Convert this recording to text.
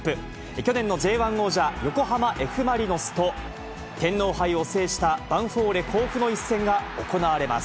去年のＪ１王者、横浜Ｆ・マリノスと、天皇杯を制したヴァンフォーレ甲府の一戦が行われます。